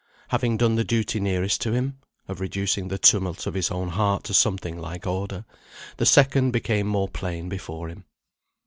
Having done the duty nearest to him (of reducing the tumult of his own heart to something like order), the second became more plain before him.